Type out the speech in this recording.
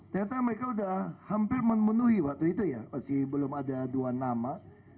ternyata mereka sudah hampir memenuhi waktu itu ya masih belum ada dua nama